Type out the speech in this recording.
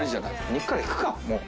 肉からいくかもう。